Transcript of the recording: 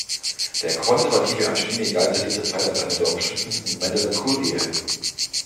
Der konservative Angelini galt seit dieser Zeit als einer der umstrittensten Männer der Kurie.